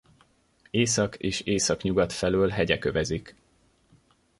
Észak és északnyugat felől hegyek övezik.